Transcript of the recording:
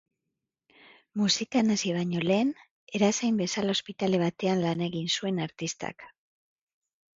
Musikan hasi baino lehen, erizain bezala ospitale batean lan egin zuen artistak.